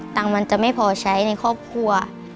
ตังค์มันจะไม่พอใช้ในครอบครัว